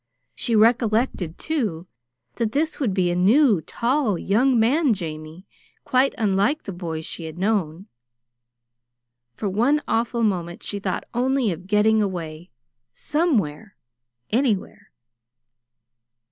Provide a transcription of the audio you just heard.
She recollected, too, that this would be a new, tall, young man Jamie, quite unlike the boy she had known. For one awful moment she thought only of getting away somewhere, anywhere.